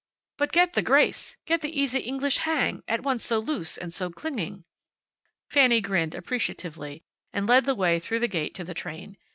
"But get the grace! Get the easy English hang, at once so loose and so clinging." Fanny grinned, appreciatively, and led the way through the gate to the train.